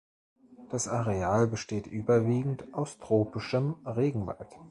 Das Areal besteht überwiegend aus tropischem Regenwald.